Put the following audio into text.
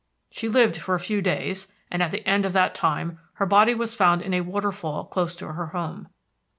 She lived for a few days, and at the end of that time her body was found in a waterfall close to her house.